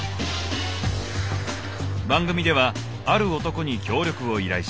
番組ではある男に協力を依頼した。